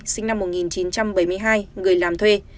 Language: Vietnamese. sinh năm một nghìn chín trăm bảy mươi hai người làm thuê